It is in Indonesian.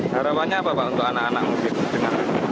harapannya apa untuk anak anak muda